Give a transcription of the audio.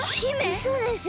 うそでしょ？